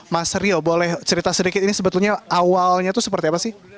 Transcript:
mas rio boleh cerita sedikit ini sebetulnya awalnya itu seperti apa sih